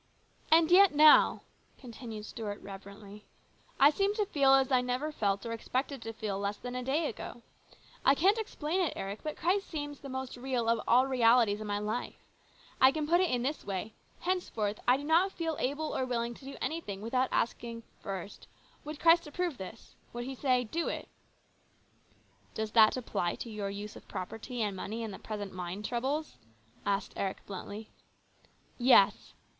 " And yet, now," continued Stuart reverently, " I seem to feel as I never felt or expected to feel less than a day ago. I can't explain it, Eric, but Christ seems the most real of all realities in my life. I can put it in this way : henceforth I do not feel able or 182 ins BROTHER'S KEEPER, willing to do anything without first asking, ' Would Christ approve this ?' Would He say, ' Do it ?'"" Docs that apply to your use of property and money and the present mine troubles?" asked Eric bluntly. " Yes."